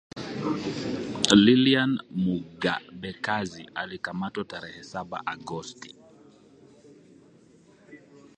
Liliane Mugabekazi alikamatwa tarehe saba Agosti